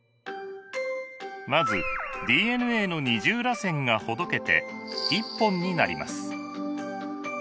まずＤＮＡの二重らせんがほどけて１本になります。